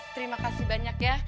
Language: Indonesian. terima kasih banyak ya